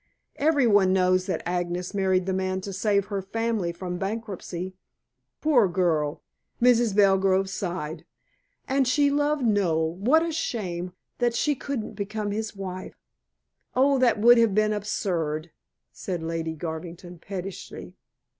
Every one knows that Agnes married the man to save her family from bankruptcy. Poor girl!" Mrs. Belgrove sighed. "And she loved Noel. What a shame that she couldn't become his wife!" "Oh, that would have been absurd," said Lady Garvington pettishly.